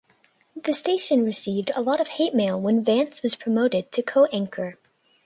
The station received a lot of hate mail when Vance was promoted to co-anchor.